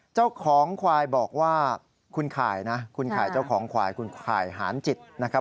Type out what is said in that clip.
เจ้าของควายบอกว่าคุณข่ายนะคุณข่ายเจ้าของควายคุณข่ายหานจิตนะครับ